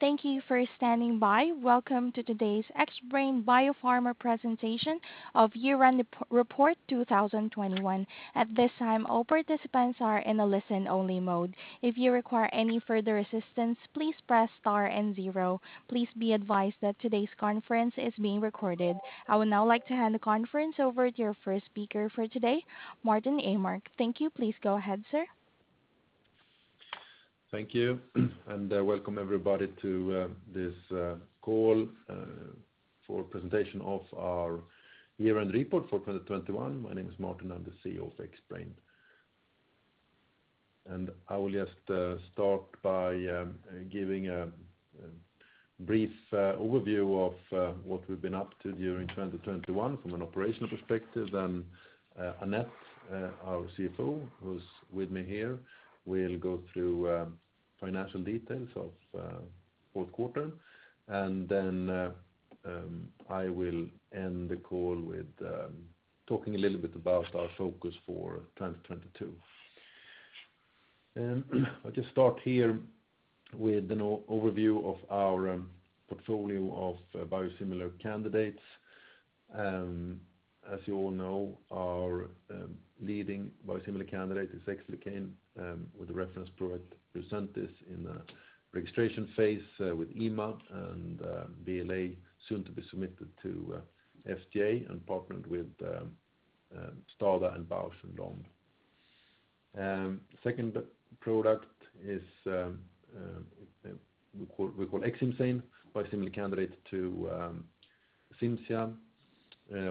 Thank you for standing by. Welcome to today's Xbrane Biopharma presentation of year-end report 2021. At this time, all participants are in a listen-only mode. If you require any further assistance, please press star and zero. Please be advised that today's conference is being recorded. I would now like to hand the conference over to your first speaker for today, Martin Åmark. Thank you. Please go ahead, sir. Thank you and welcome everybody to this call for presentation of our year-end report for 2021. My name is Martin. I'm the CEO of Xbrane. I will just start by giving a brief overview of what we've been up to during 2021 from an operational perspective. Then Anette, our CFO, who's with me here, will go through financial details of fourth quarter. Then I will end the call with talking a little bit about our focus for 2022. I'll just start here with an overview of our portfolio of biosimilar candidates. As you all know, our leading biosimilar candidate is Ximluci, with the reference product Lucentis in the registration phase, with EMA and BLA soon to be submitted to FDA and partnered with STADA and Bausch + Lomb. Second product is we call Xcimzane, biosimilar candidate to Cimzia,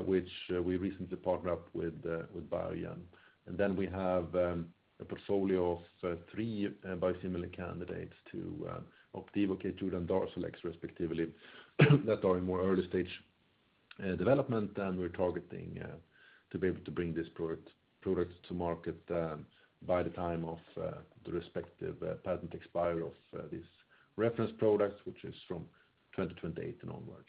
which we recently partnered up with Biogen. We have a portfolio of three biosimilar candidates to Opdivo, Keytruda, and Darzalex respectively, that are in earlier stage development. We're targeting to be able to bring this product to market by the time of the respective patent expiry of these reference products, which is from 2028 and onwards.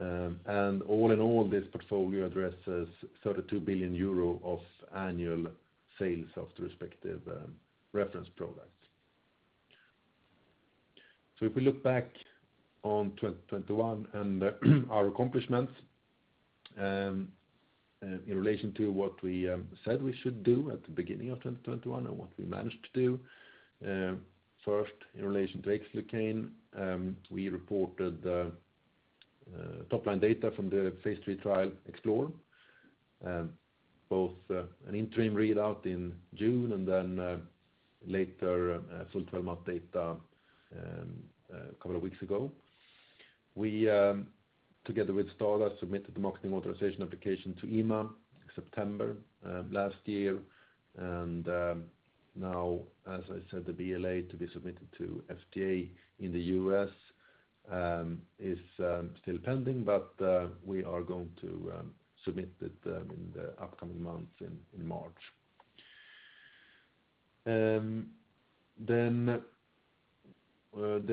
All in all, this portfolio addresses 32 billion euro of annual sales of the respective reference products. If we look back on 2021 and our accomplishments in relation to what we said we should do at the beginning of 2021 and what we managed to do. First, in relation to Xlucane, we reported top-line data from the phase III trial Xplore, both an interim readout in June and then later full 12-month data a couple of weeks ago. We, together with STADA, submitted the marketing authorization application to EMA in September last year. Now as I said, the BLA to be submitted to FDA in the U.S. is still pending, but we are going to submit it in the upcoming months in March. There's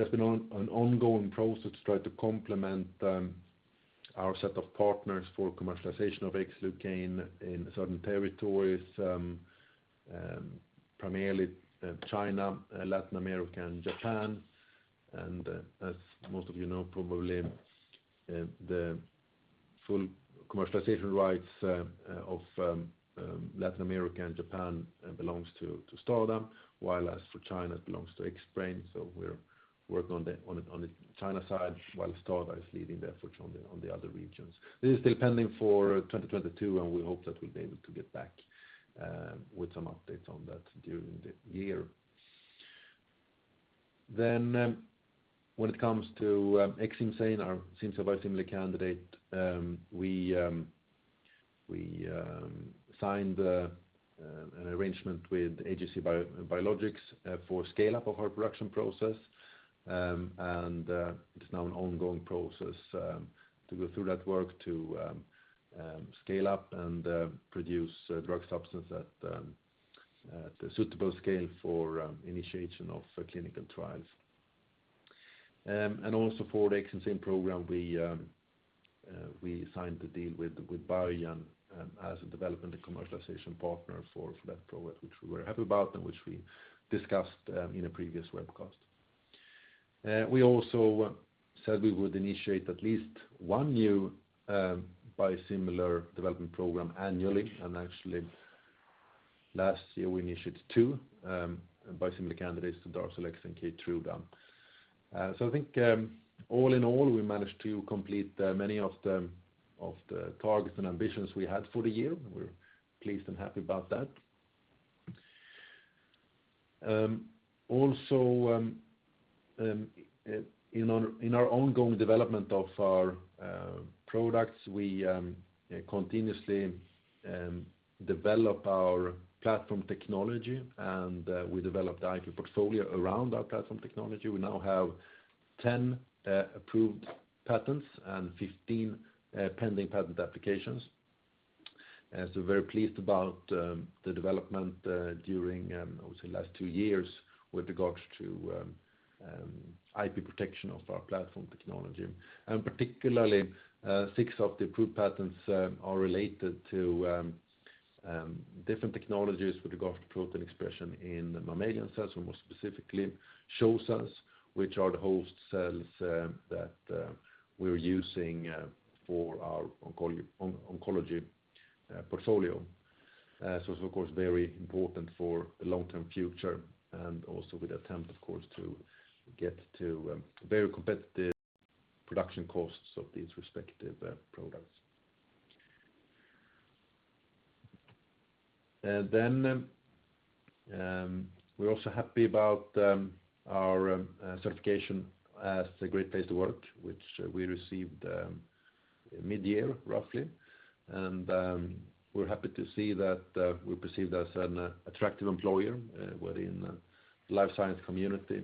been an ongoing process to try to complement our set of partners for commercialization of Xlucane in certain territories, primarily China, Latin America, and Japan. As most of you probably know, the full commercialization rights of Latin America and Japan belongs to STADA, while as for China, it belongs to Xbrane. We're working on the China side while STADA is leading the efforts on the other regions. This is still pending for 2022, and we hope that we'll be able to get back with some updates on that during the year. When it comes to Xcimzane, our Cimzia biosimilar candidate, we signed an arrangement with AGC Biologics for scale-up of our production process. It's now an ongoing process to go through that work to scale up and produce a drug substance at a suitable scale for initiation of clinical trials. Also for the Xcimzane program, we signed the deal with Biogen as a development and commercialization partner for that product, which we're happy about and which we discussed in a previous webcast. We also said we would initiate at least one new biosimilar development program annually. Actually, last year, we initiated two biosimilar candidates, Darzalex and Keytruda. I think all in all, we managed to complete many of the targets and ambitions we had for the year. We're pleased and happy about that. Also, in our ongoing development of our products, we continuously develop our platform technology, and we developed IP portfolio around our platform technology. We now have 10 approved patents and 15 pending patent applications. Very pleased about the development during, I would say, last two years with regards to IP protection of our platform technology. Particularly, six of the approved patents are related to different technologies with regard to protein expression in mammalian cells, more specifically CHO cells, which are the host cells that we're using for our oncology portfolio. It's of course very important for the long-term future and also with attempt of course to get to very competitive production costs of these respective products. We're also happy about our certification as a Great Place to Work, which we received mid-year roughly. We're happy to see that we're perceived as an attractive employer within the life science community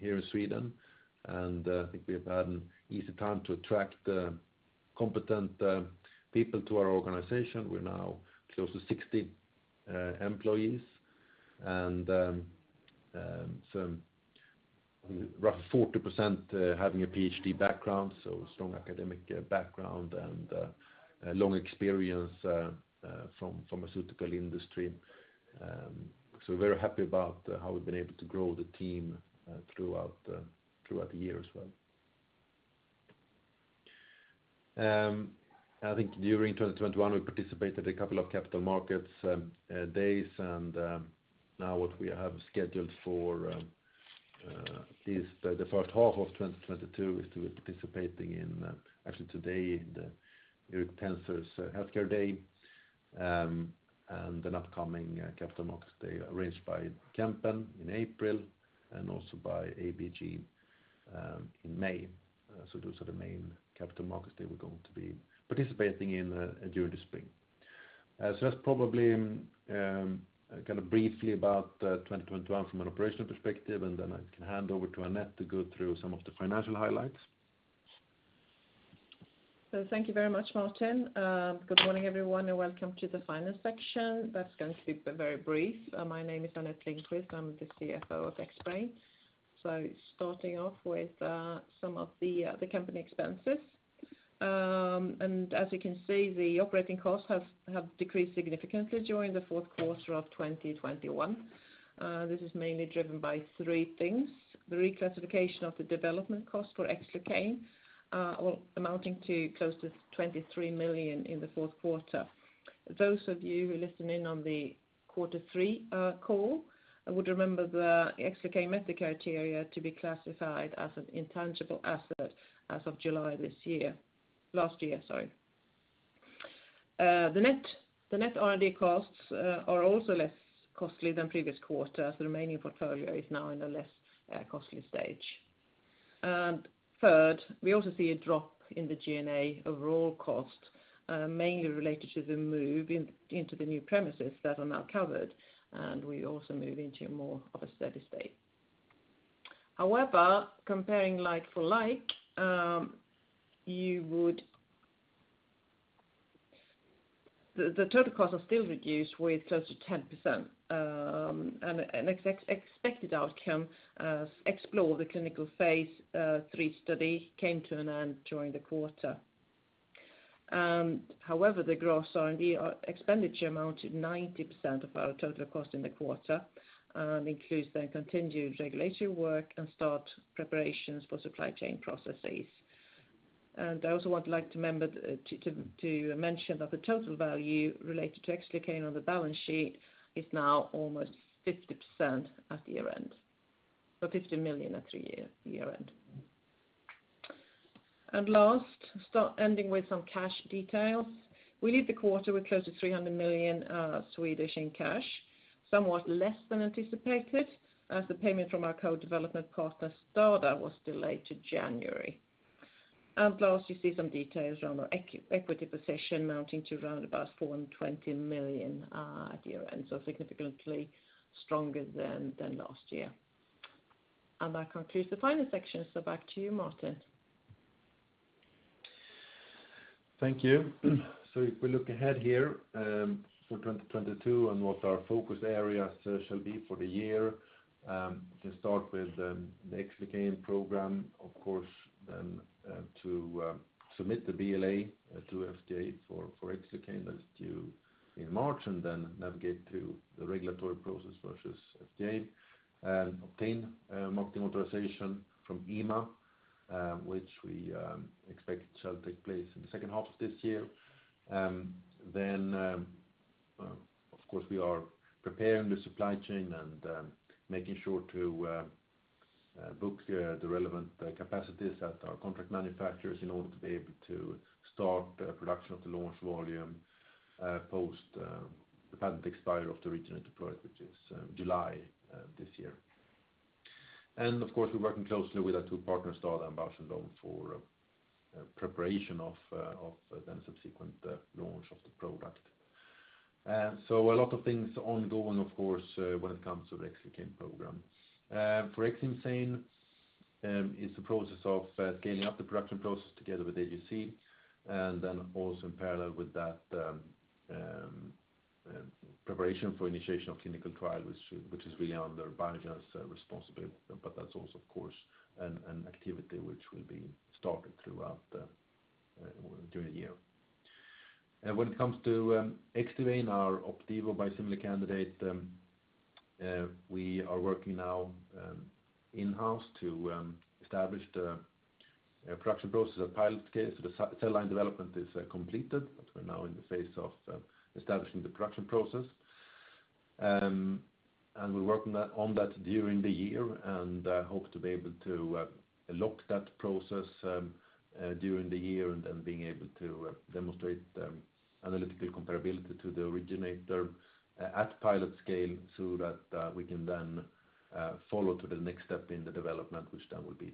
here in Sweden. I think we've had an easy time to attract competent people to our organization. We're now close to 60 employees. Roughly 40% having a PhD background, so strong academic background and long experience from pharmaceutical industry. We're very happy about how we've been able to grow the team throughout the year as well. I think during 2021 we participated a couple of capital markets days. Now what we have scheduled for the first half of 2022 is to participating in actually today the Erik Penser Bank's Healthcare Day, and an upcoming capital markets day arranged by Kempen in April, and also by ABG in May. Those are the main capital markets day we're going to be participating in during the spring. That's probably kind of briefly about 2021 from an operational perspective, and then I can hand over to Anette to go through some of the financial highlights. Thank you very much, Martin. Good morning everyone, and welcome to the finance section. That's going to be very brief. My name is Anette Lindqvist. I'm the CFO of Xbrane. Starting off with some of the company expenses. As you can see, the operating costs have decreased significantly during the fourth quarter of 2021. This is mainly driven by three things. The reclassification of the development cost for Xlucane amounting to close to 23 million in the fourth quarter. Those of you who listened in on the quarter three call would remember the Xlucane met the criteria to be classified as an intangible asset as of July this year. Last year, sorry. The net R&D costs are also less costly than previous quarter. The remaining portfolio is now in a less costly stage. Third, we also see a drop in the G&A overall cost, mainly related to the move into the new premises that are now covered, and we also move into more of a steady state. However, comparing like for like, the total costs are still reduced with close to 10%, and expected outcome as Xplore, the clinical phase III study came to an end during the quarter. However, the gross R&D expenditure amount is 90% of our total cost in the quarter, includes the continued regulatory work and start preparations for supply chain processes. I also would like to mention that the total value related to Xlucane on the balance sheet is now almost 50% at year-end, or SEK 50 million at year-end. Lastly, ending with some cash details. We leave the quarter with close to 300 million in cash, somewhat less than anticipated, as the payment from our co-development partner STADA was delayed to January. Lastly, you see some details around our equity position amounting to around 420 million SEK at year-end, so significantly stronger than last year. That concludes the finance section. Back to you, Martin. Thank you. If we look ahead here for 2022 and what our focus areas shall be for the year, to start with the Xlucane program, of course, to submit the BLA to FDA for Xlucane that's due in March, and then navigate through the regulatory process versus FDA, and obtain marketing authorization from EMA, which we expect shall take place in the second half of this year. Of course we are preparing the supply chain and making sure to book the relevant capacities at our contract manufacturers in order to be able to start production of the launch volume post the patent expiry of the reference product, which is July this year. Of course we're working closely with our two partners, STADA and Bausch + Lomb, for preparation of the subsequent launch of the product. A lot of things ongoing of course when it comes to the Xlucane program. For Xcimzane, it's the process of scaling up the production process together with AGC, and then also in parallel with that, preparation for initiation of clinical trial, which is really under Biogen's responsibility. That's also of course an activity which will be started during the year. When it comes to Xdivane, our Opdivo biosimilar candidate, we are working now in-house to establish the production process at pilot scale. The CHO cell line development is completed, but we're now in the phase of establishing the production process. We're working on that during the year, and I hope to be able to lock that process during the year and then being able to demonstrate analytical comparability to the originator at pilot scale so that we can then follow to the next step in the development, which then will be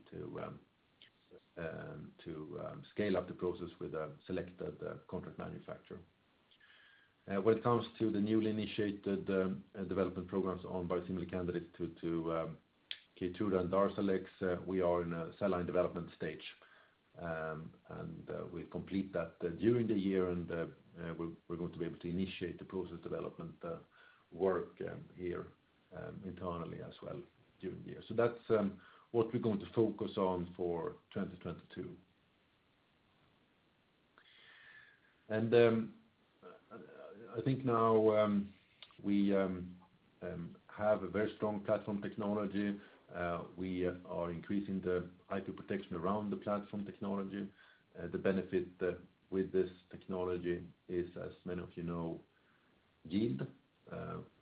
to scale up the process with a selected contract manufacturer. When it comes to the newly initiated development programs on biosimilar candidate to Keytruda and Darzalex, we are in a cell line development stage. We complete that during the year and we're going to be able to initiate the process development work here internally as well during the year. That's what we're going to focus on for 2022. I think now we have a very strong platform technology. We are increasing the IP protection around the platform technology. The benefit with this technology is, as many of you know, yield,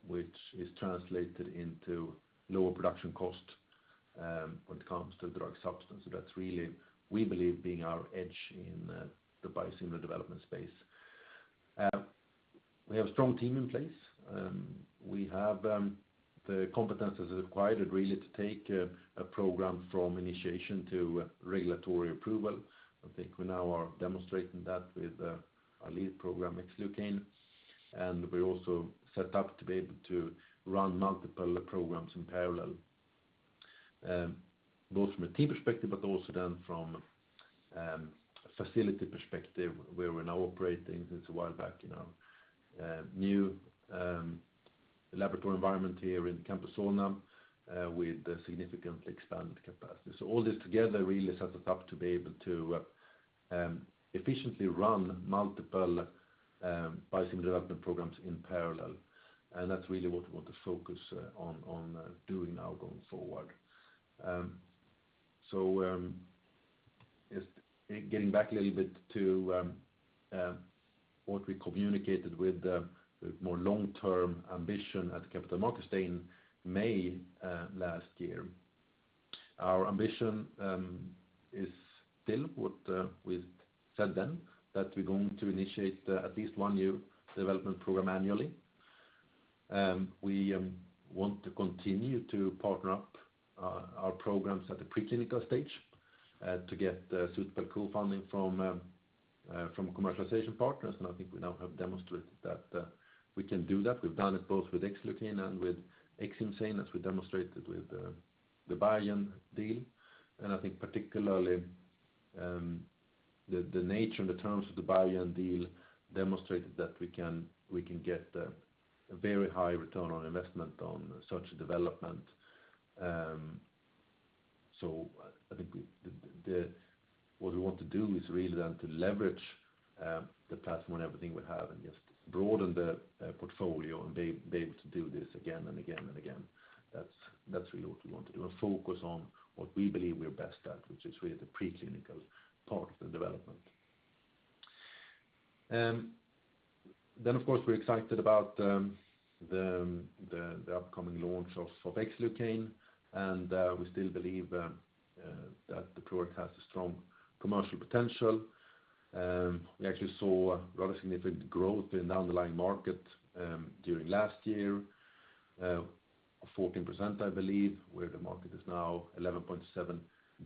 which is translated into lower production cost when it comes to drug substance. That's really, we believe, being our edge in the biosimilar development space. We have a strong team in place. We have the competencies required really to take a program from initiation to regulatory approval. I think we now are demonstrating that with our lead program, Xlucane. We're also set up to be able to run multiple programs in parallel, both from a team perspective but also then from a facility perspective, where we're now operating since a while back in our new laboratory environment here in Campus Solna, with significantly expanded capacity. All this together really sets us up to be able to efficiently run multiple biosimilar development programs in parallel. That's really what we want to focus on doing now going forward. Just getting back a little bit to what we communicated with the more long-term ambition at the Capital Markets Day in May last year. Our ambition is still what we said then, that we're going to initiate at least one new development program annually. We want to continue to partner up our programs at the preclinical stage to get suitable co-funding from commercialization partners. I think we now have demonstrated that we can do that. We've done it both with Xlucane and with Xcimzane, as we demonstrated with the Biogen deal. I think particularly the nature and the terms of the Biogen deal demonstrated that we can get a very high return on investment on such development. I think what we want to do is really then to leverage the platform and everything we have and just broaden the portfolio and be able to do this again and again and again. That's really what we want to do, and focus on what we believe we are best at, which is really the preclinical part of the development. Of course, we're excited about the upcoming launch of Xlucane. We still believe that the product has a strong commercial potential. We actually saw rather significant growth in the underlying market during last year. 14%, I believe, worth 11.7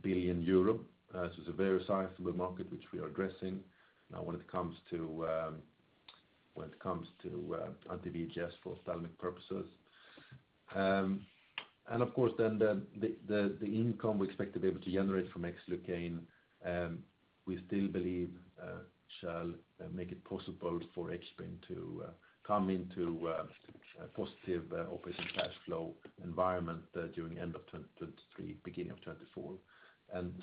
billion euro. It's a very sizable market which we are addressing now when it comes to anti-VEGFs for ophthalmic purposes. Of course then the income we expect to be able to generate from Ximluci, we still believe, shall make it possible for Xbrane to come into a positive operating cash flow environment during end of 2023, beginning of 2024.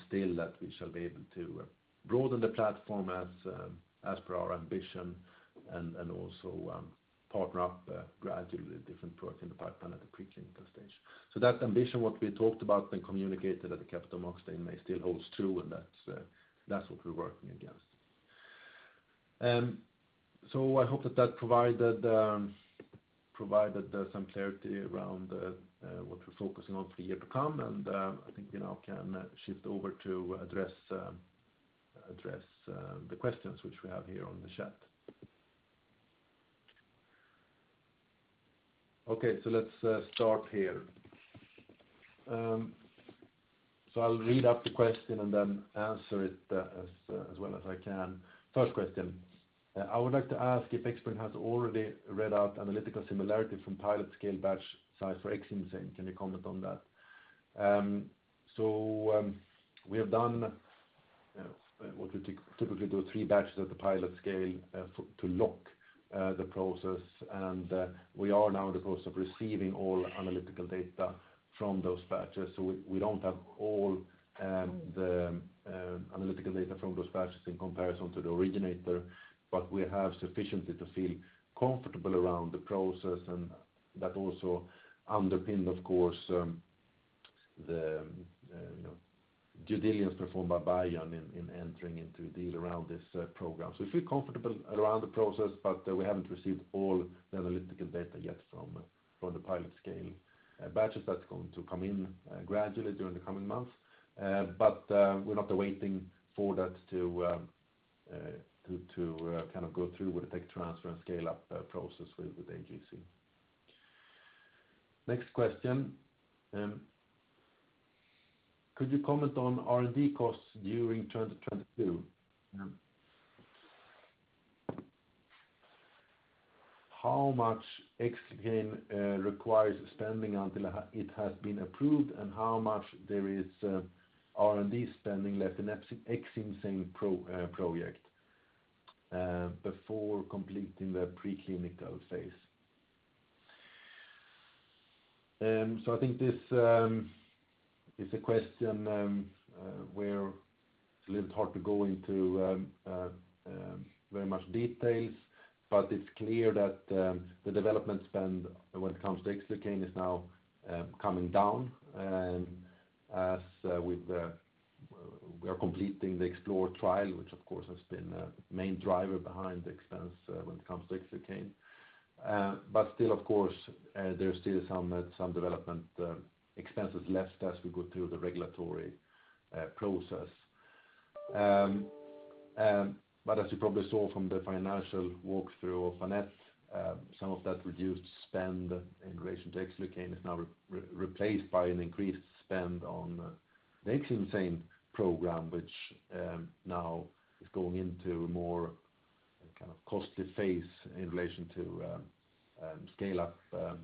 Still that we shall be able to broaden the platform as per our ambition and also partner up gradually with different products in the pipeline at the preclinical stage. That ambition, what we talked about and communicated at the Capital Markets Day in May still holds true, and that's what we're working against. I hope that provided some clarity around what we're focusing on for the year to come. I think we now can shift over to address the questions which we have here on the chat. Okay. Let's start here. I'll read out the question and then answer it as well as I can. First question. I would like to ask if Xbrane has already read out analytical similarity from pilot scale batch size for Xcimzane. Can you comment on that? We have done what we typically do, three batches at the pilot scale to lock the process and we are now in the process of receiving all analytical data from those batches. We don't have all the analytical data from those batches in comparison to the originator, but we have sufficiently to feel comfortable around the process and that also underpinned of course the you know due diligence performed by Biogen in entering into a deal around this program. We feel comfortable around the process, but we haven't received all the analytical data yet from the pilot scale batches that's going to come in gradually during the coming months. But we're not waiting for that to kind of go through with the tech transfer and scale up process with AGC. Next question. Could you comment on R&D costs during 2022? How much Xlucane requires spending until it has been approved, and how much R&D spending left in Xcimzane project before completing the preclinical phase? I think this is a question where it's a little hard to go into very much details, but it's clear that the development spend when it comes to Xlucane is now coming down as we are completing the Xplore trial, which of course has been a main driver behind the expense when it comes to Xlucane. Still of course, there's still some development expenses left as we go through the regulatory process. As you probably saw from the financial walkthrough of Anette, some of that reduced spend in relation to Xdivane is now replaced by an increased spend on the Xcimzane program, which now is going into a more kind of costly phase in relation to scale up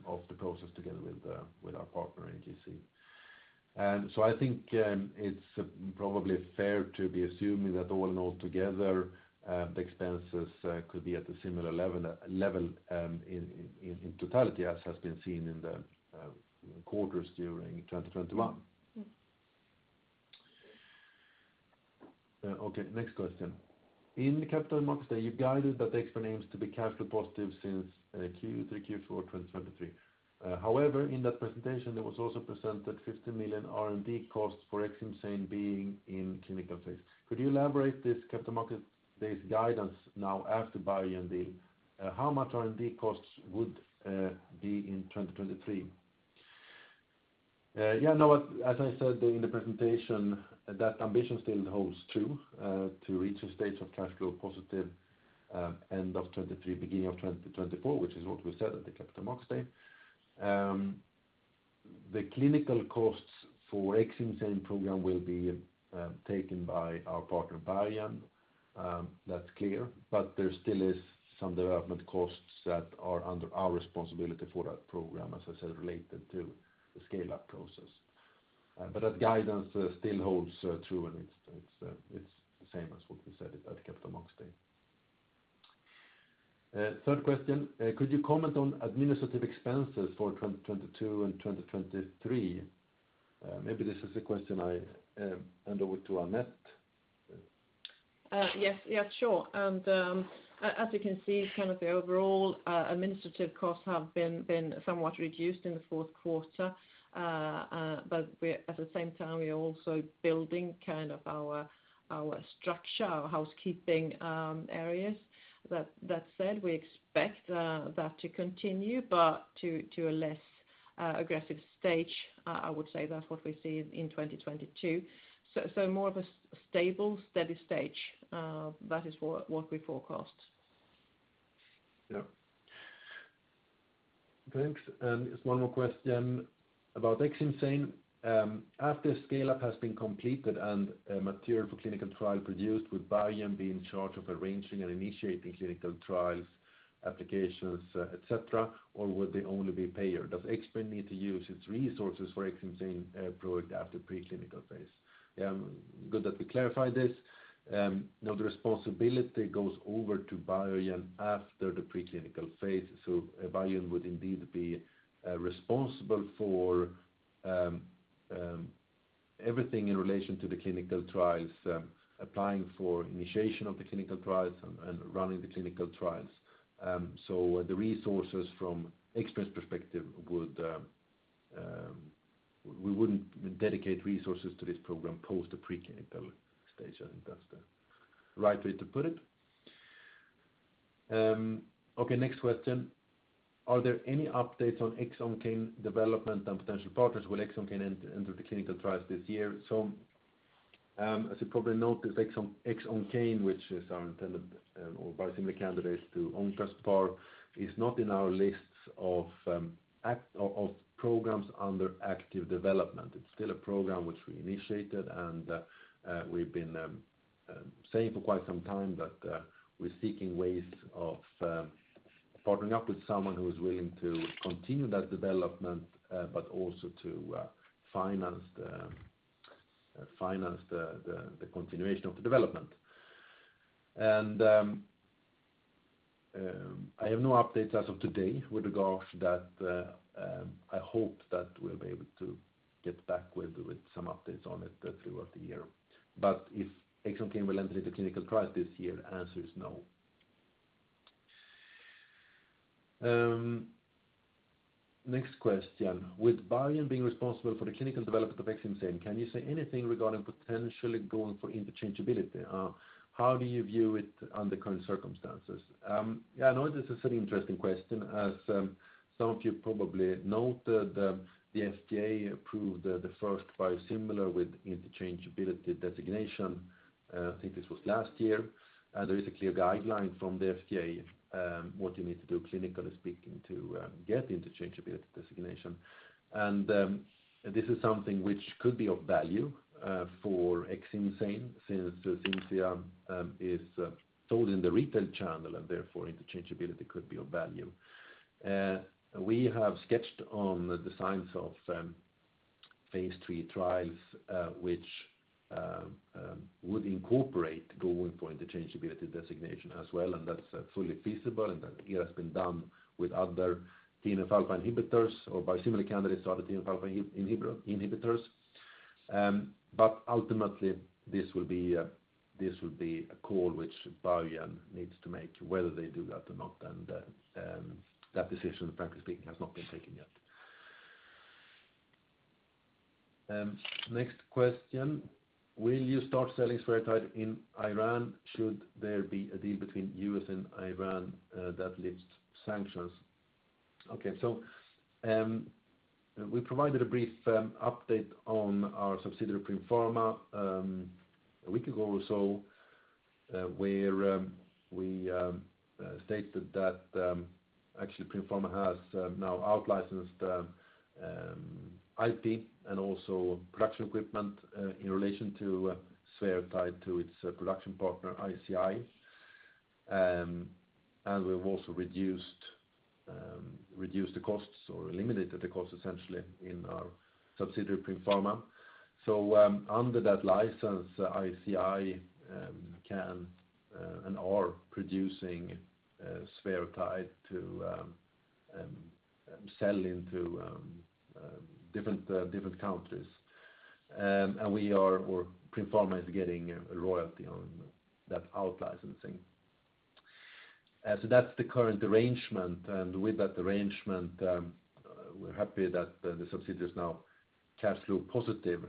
of the process together with our partner AGC. I think it's probably fair to be assuming that all in all together the expenses could be at a similar level in totality as has been seen in the quarters during 2021. Mm-hmm. Okay. Next question. In the Capital Markets Day, you guided that Xbrane aims to be cash flow positive since Q3-Q4 2023. However, in that presentation, there was also presented 50 million R&D costs for Xcimzane being in clinical phase. Could you elaborate this Capital Markets Day's guidance now after Biogen deal? How much R&D costs would be in 2023? Yeah, no, as I said during the presentation, that ambition still holds true, to reach a state of cash flow positive, end of 2023, beginning of 2024, which is what we said at the Capital Markets Day. The clinical costs for Xcimzane program will be taken by our partner Biogen, that's clear. There still is some development costs that are under our responsibility for that program, as I said, related to the scale up process. That guidance still holds true and it's the same as what we said at Capital Markets Day. Third question. Could you comment on administrative expenses for 2022 and 2023? Maybe this is a question I hand over to Anette. Yes. Yeah, sure. As you can see, kind of the overall administrative costs have been somewhat reduced in the fourth quarter. At the same time, we are also building kind of our structure, our housekeeping areas. That said, we expect that to continue, but to a less aggressive stage. I would say that's what we see in 2022. More of a stable, steady stage, that is what we forecast. Yeah. Okay. Just one more question about Xdivane. After scale up has been completed and material for clinical trial produced, would Biogen be in charge of arranging and initiating clinical trials, applications, et cetera, or would they only be player? Does Xbrane need to use its resources for Xdivane product after preclinical phase? Good that we clarify this. No, the responsibility goes over to Biogen after the preclinical phase. Biogen would indeed be responsible for everything in relation to the clinical trials, applying for initiation of the clinical trials and running the clinical trials. The resources from Xbrane's perspective would. We wouldn't dedicate resources to this program post the preclinical stage. I think that's the right way to put it. Okay, next question. Are there any updates on Xoncane development and potential partners? Will Xoncane enter the clinical trials this year? As you probably noticed, Xoncane, which is our intended or biosimilar candidate to Oncaspar, is not in our lists of programs under active development. It's still a program which we initiated, and we've been saying for quite some time that we're seeking ways of partnering up with someone who is willing to continue that development, but also to finance the continuation of the development. I have no updates as of today with regards that. I hope that we'll be able to get back with some updates on it throughout the year. If Xoncane will enter the clinical trials this year, answer is no. Next question: With Biogen being responsible for the clinical development of Xdivane, can you say anything regarding potentially going for interchangeability? How do you view it under current circumstances? This is an interesting question. As some of you probably know, the FDA approved the first biosimilar with interchangeability designation. I think this was last year. There is a clear guideline from the FDA, what you need to do clinically speaking to get interchangeability designation. This is something which could be of value for Xdivane since Cimzia is sold in the retail channel and therefore interchangeability could be of value. We have sketched on the designs of phase III trials, which would incorporate going for interchangeability designation as well, and that's fully feasible, and it has been done with other TNF-alpha inhibitors or biosimilar candidates or TNF-alpha inhibitors. Ultimately, this will be a call which Biogen needs to make, whether they do that or not. That decision, frankly speaking, has not been taken yet. Next question. Will you start selling Spherotide in Iran should there be a deal between U.S. and Iran that lifts sanctions? Okay. We provided a brief update on our subsidiary, Primm Pharma, a week ago or so, where we stated that actually Primm Pharma has now outlicensed IP and also production equipment in relation to Spherotide to its production partner, ICI. We've also reduced the costs or eliminated the costs essentially in our subsidiary Primm Pharma. Under that license, ICI can and are producing Spherotide to sell into different countries. Or Primm Pharma is getting a royalty on that outlicensing. That's the current arrangement. With that arrangement, we're happy that the subsidiary is now cash flow positive,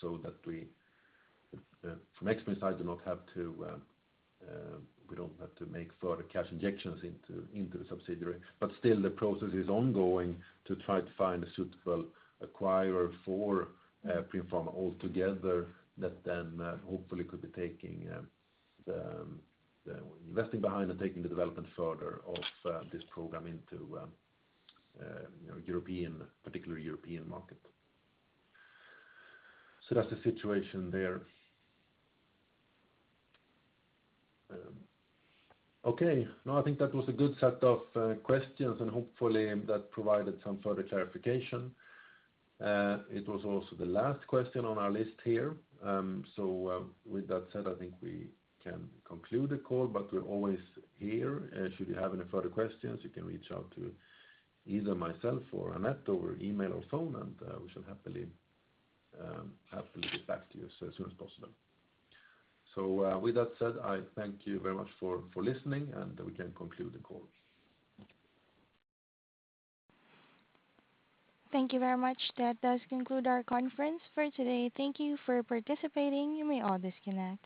so that we from Xbrane side do not have to, we don't have to make further cash injections into the subsidiary. Still the process is ongoing to try to find a suitable acquirer for Primm Pharma altogether that then hopefully could be taking the investing behind and taking the development further of this program into European, particularly European market. That's the situation there. Okay. No, I think that was a good set of questions, and hopefully that provided some further clarification. It was also the last question on our list here. With that said, I think we can conclude the call, but we're always here. Should you have any further questions, you can reach out to either myself or Anette over email or phone, and we shall happily get back to you as soon as possible. With that said, I thank you very much for listening, and we can conclude the call. Thank you very much. That does conclude our conference for today. Thank you for participating. You may all disconnect.